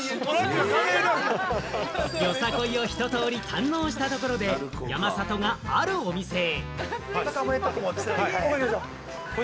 よさこいをひと通り堪能したところで、山里があるお店へ。